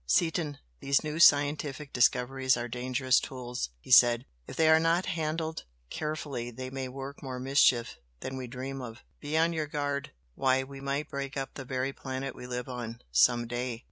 "Seaton, these new scientific discoveries are dangerous tools!" he said "If they are not handled carefully they may work more mischief than we dream of. Be on your guard! Why, we might break up the very planet we live on, some day!"